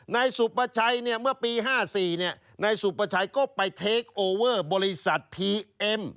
นายสุประชัยเนี่ยเมื่อปี๕๔นายสุประชัยก็ไปเทคโอเวอร์บริษัทพีเอ็ม